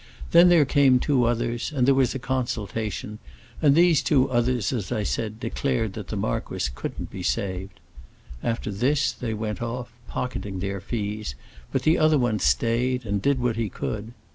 Then there came two others, and there was a consultation, and these two others, as I said, declared that the marquis couldn't be saved. After this they went off, pocketing their fees, but the other one stayed and did what he could.